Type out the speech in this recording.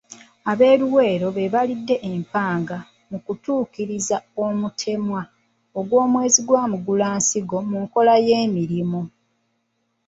Ab'eLuweero be baalidde empanga mu kutuukiriza omutemwa gw'omwezi gwa Mugulansigo mu nkola y'emirimu.